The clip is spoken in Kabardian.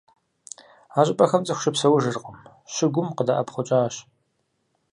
А щӏыпӏэхэм цӏыху щыпсэужыркъым, щыгум къыдэӏэпхъукӏащ.